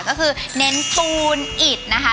ก็คือเน้นปูนอิดนะคะ